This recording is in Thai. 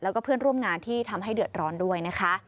แล้วก็เพื่อนร่วมงานที่ทำให้เดือดร้อนด้วยนะคะ